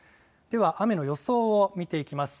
では雨の予想を見ていきます。